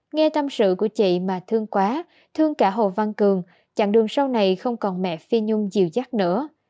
nghe tâm sự của chị mà thương quá thương cả hồ văn cường chặn đường sau này không còn mẹ phi nhung dìu dắt nữa